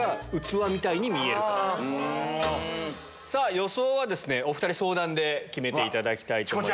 予想はお２人相談で決めていただきたいと思います。